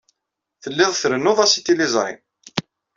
Telliḍ trennuḍ-as i tliẓri.